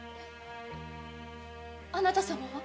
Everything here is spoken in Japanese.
あなた様は？